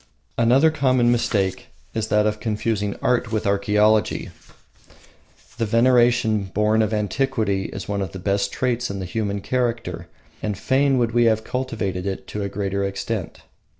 Another common mistake is that of confusing art with archaeology. The veneration born of antiquity is one of the best traits in the human character, and fain would we have it cultivated to a greater extent.